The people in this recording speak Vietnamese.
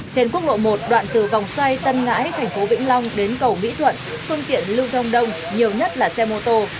trên quốc lộ một đoạn từ vòng xoay tân ngãi thành phố vĩnh long đến cầu mỹ thuận phương tiện lưu thông đông nhiều nhất là xe mô tô